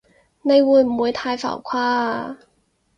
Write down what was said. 你會唔會太浮誇啊？